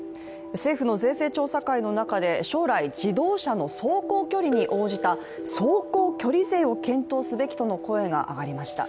政府の税制調査会の中で将来、自動車の走行距離に応じた走行距離税を検討すべきとの声が上がりました。